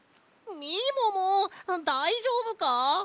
みももだいじょうぶか！？